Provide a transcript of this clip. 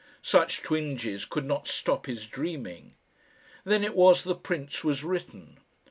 Such twinges could not stop his dreaming. Then it was "The Prince" was written.